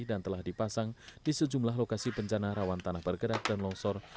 dan telah dipasang di sejumlah lokasi bencana rawan tanah bergerak dan longsor